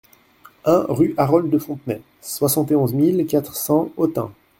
un rue Harold de Fontenay, soixante et onze mille quatre cents Autun